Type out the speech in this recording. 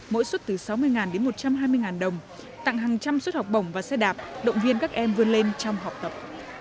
mỗi suất từ sáu mươi đến một trăm hai mươi đồng tặng hàng trăm suất học bổng và xe đạp động viên các em vươn lên trong học tập